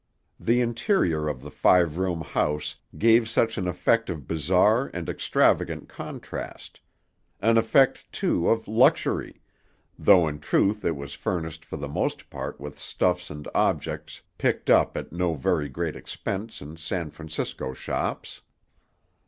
The interior of the five room house gave just such an effect of bizarre and extravagant contrast; an effect, too, of luxury, though in truth it was furnished for the most part with stuffs and objects picked up at no very great expense in San Francisco shops.